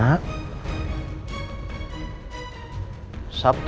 aku mau tanya sama elsa